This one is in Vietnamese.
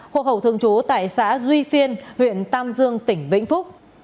hồ hậu thường trú tại xã duy phiên huyện tam dương tỉnh vĩnh phúc